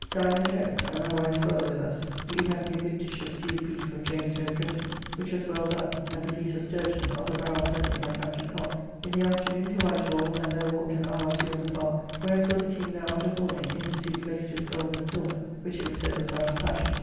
Dined at home, and my wife's brother with us, we having a good dish of stewed beef of Jane's own dressing, which was well done, and a piece of sturgeon of a barrel sent me by Captain Cocke. In the afternoon to White Hall; and there walked an hour or two in the Park, where I saw the King now out of mourning, in a suit laced with gold and silver, which it was said was out of fashion.